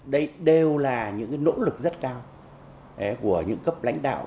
đây đều là những nỗ lực rất cao của những cấp lãnh đạo